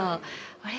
「あれ？